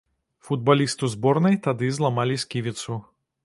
Футбалісту зборнай тады зламалі сківіцу.